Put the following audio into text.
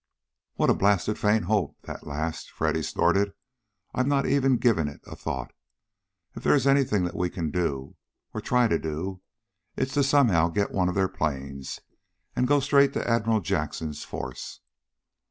"What a blasted faint hope, that last!" Freddy snorted. "I'm not even giving it a thought. If there is anything that we can do, or try to do, it's to somehow get one of their planes and go straight to Admiral Jackson's force."